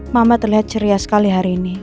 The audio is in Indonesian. mama terlihat ceria sekali hari ini